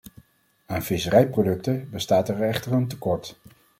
Aan visserijproducten bestaat er echter een tekort.